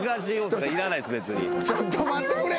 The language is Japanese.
ちょっと待ってくれ！